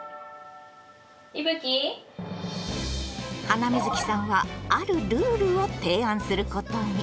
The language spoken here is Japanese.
ハナミズキさんはあるルールを提案することに。